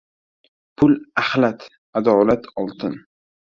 • Pul — axlat, adolat — oltin.